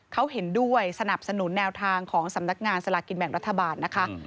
เขาเห็นด้วยสนับสนุนแนวทางของสำนักงานสลากินแบ่งรัฐบาลนะคะ